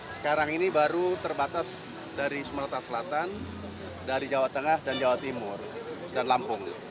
sekarang ini baru terbatas dari sumatera selatan dari jawa tengah dan jawa timur dan lampung